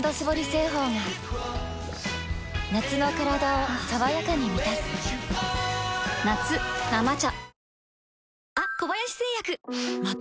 製法が夏のカラダを爽やかに満たす夏「生茶」